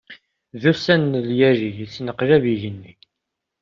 D ussan n lyali, yettneqlab yigenni.